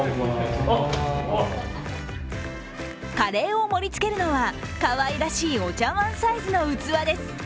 カレーを盛り付けるのはかわいらしいお茶わんサイズの器です。